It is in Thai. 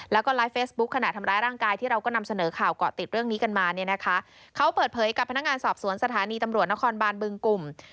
แล้วก็ไลฟ์เฟซบุ๊คขณะทำร้ายร่างกายที่เราก็นำเสนอข่าวเกาะติดเรื่องนี้กันมาเนี่ยนะคะเขาเปิดเผยกับพนักงานสอบสวนสถานีตำรวจนครบานบึงกลุ่ม